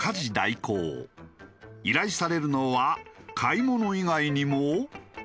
依頼されるのは買い物以外にも。